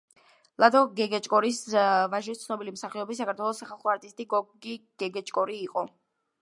ლადო გეგეჭკორის ვაჟი ცნობილი მსახიობი, საქართველოს სახალხო არტისტი გოგი გეგეჭკორი იყო.